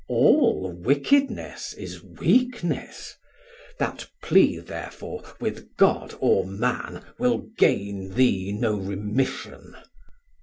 All wickedness is weakness: that plea therefore With God or Man will gain thee no remission.